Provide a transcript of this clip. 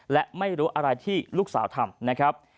และไม่รู้อะไรที่ลูกสาวทำนะครับ